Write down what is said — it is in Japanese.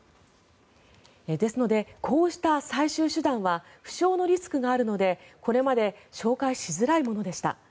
ですので、こうした最終手段は負傷のリスクがあるのでこれまで紹介しづらいものでした。